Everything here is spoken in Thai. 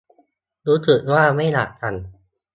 รู้สึกว่าไม่อยากสั่ง